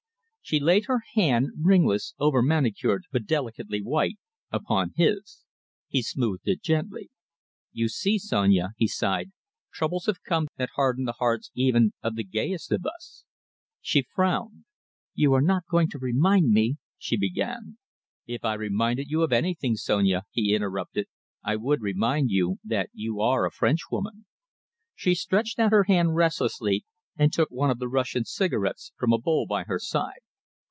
She laid her hand ringless, over manicured, but delicately white upon his. He smoothed it gently. "You see, Sonia," he sighed, "troubles have come that harden the hearts even of the gayest of us." She frowned. "You are not going to remind me " she began. "If I reminded you of anything, Sonia," he interrupted, "I would remind you that you are a Frenchwoman." She stretched out her hand restlessly and took one of the Russian cigarettes from a bowl by her side.